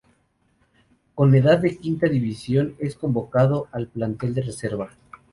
Con edad de quinta división es convocado al plantel de reserva.